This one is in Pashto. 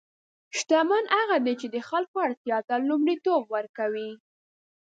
شتمن هغه دی چې د خلکو اړتیا ته لومړیتوب ورکوي.